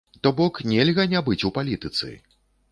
То бок нельга не быць у палітыцы!